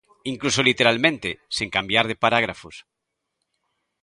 Incluso literalmente, sen cambiar de parágrafos.